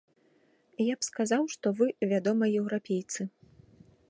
Я б сказаў, што вы, вядома, еўрапейцы.